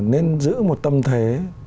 nên giữ một tâm thế